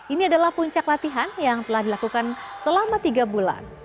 ini adalah puncak latihan yang telah dilakukan selama tiga bulan